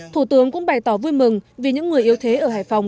thủ tướng nguyễn xuân phúc đề nghị hôm nay mới là ngày hai tháng